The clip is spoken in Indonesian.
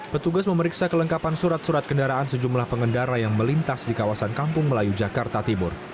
petugas memeriksa kelengkapan surat surat kendaraan sejumlah pengendara yang melintas di kawasan kampung melayu jakarta timur